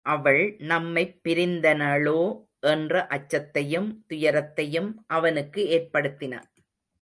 அவள் நம்மைப் பிரிந்தனளோ என்ற அச்சத்தையும் துயரத்தையும் அவனுக்கு ஏற்படுத்தின.